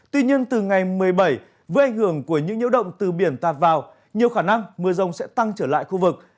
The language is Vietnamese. tuy nhiên từ ngày một mươi bảy với ảnh hưởng của những nhiễu động từ biển tạt vào nhiều khả năng mưa rông sẽ tăng trở lại khu vực